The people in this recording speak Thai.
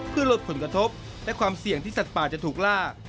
เพื่อลดผลกระทบและความเสี่ยงที่สัตว์ป่าจะถูกล่า